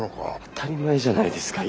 当たり前じゃないですか。